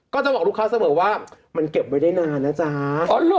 ก็จะบอกลูกค้าเสมอว่ามันเก็บไว้ได้นานนะจ๊ะ